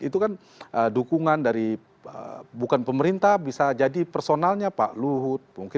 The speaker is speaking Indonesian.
itu kan dukungan dari bukan pemerintah bisa jadi personalnya pak luhut